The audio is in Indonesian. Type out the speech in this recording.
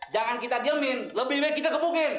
jangan kita diemin lebih baik kita kepukin